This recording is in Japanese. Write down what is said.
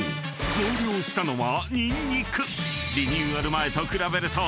増量したのは］